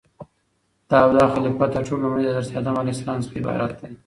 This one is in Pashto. او داخليفه تر ټولو لومړى دحضرت ادم عليه السلام څخه عبارت دى